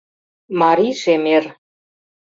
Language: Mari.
марий шемер!